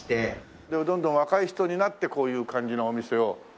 どんどん若い人になってこういう感じのお店を。